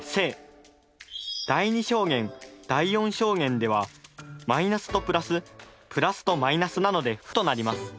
第２象限第４象限では−と＋＋と−なので負となります。